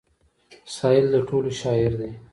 سايل د ټولو شاعر دی.